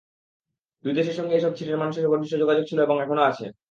দুই দেশের সঙ্গেই এসব ছিটের মানুষের ঘনিষ্ঠ যোগাযোগ ছিল এবং এখনো আছে।